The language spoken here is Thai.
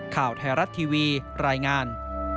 ข่าวไทยรัฐทีวีรายงาน